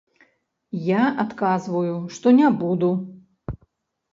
Я адказваю, што не буду.